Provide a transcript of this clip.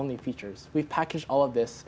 kami telah menggabungkan semua ini